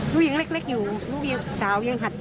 ลูกยังเล็กอยู่ลูกสาวยังหัด